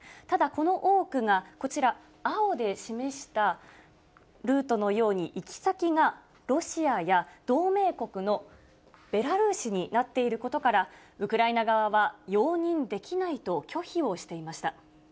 ただ、この多くがこちら、青で示したルートのように、行き先がロシアや、同盟国のベラルーシになっていることから、ウクライナ側は容認できないと拒否をしていました。